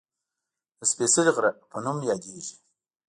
د "سپېڅلي غره" په نوم یادېږي